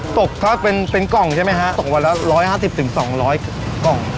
ตกถ้าเป็นกล่องใช่ไหมฮะตกวันละ๑๕๐๒๐๐กล่อง